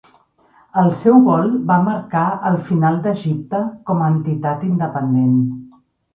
El seu vol va marcar el final d'Egipte com a entitat independent.